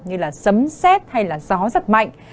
như là sấm xét hay là gió rất mạnh